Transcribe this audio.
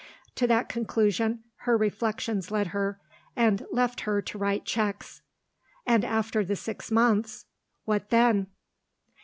To that conclusion her reflections led her, and left her to write cheques. And after the six months what then?